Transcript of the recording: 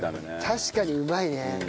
確かにうまいね！